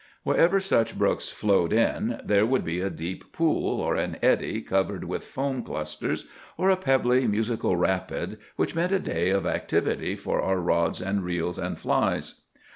Wherever such brooks flowed in, there would be a deep pool, or an eddy covered with foam clusters, or a pebbly, musical rapid, which meant a day of activity for our rods and reels and flies.